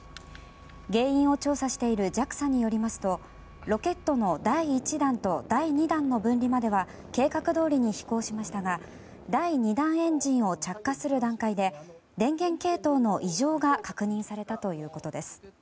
原因を調査しているＪＡＸＡによりますとロケットの第１段と第２段の分離までは計画どおりに飛行しましたが第２段エンジンを着火する段階で電源系統の異常が確認されたということです。